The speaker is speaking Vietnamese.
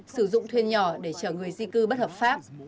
sử dụng thuyền nhỏ để chở người di cư bất hợp pháp